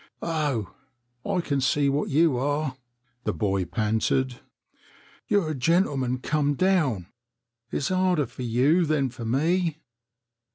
" Oh, I can see what you are," the boy panted ;" you're a gentleman come down. It's harder for you than for me."